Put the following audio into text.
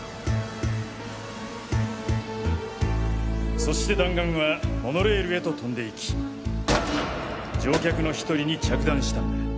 そして弾丸はモノレールへと飛んでいき乗客の１人に着弾したんだ。